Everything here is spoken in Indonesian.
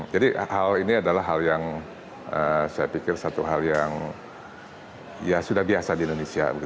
jadi hal ini adalah hal yang saya pikir satu hal yang ya sudah biasa di indonesia